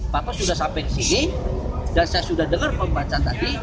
pak pus sudah sampai di sini dan saya sudah dengar pembaca tadi